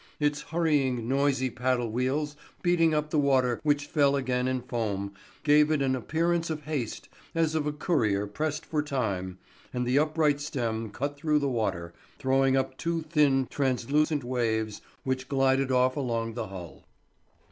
Its hurrying, noisy paddle wheels beating up the water which fell again in foam, gave it an appearance of haste as of a courier pressed for time, and the upright stem cut through the water, throwing up two thin translucent waves which glided off along the hull.